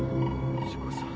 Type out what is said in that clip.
藤子さん。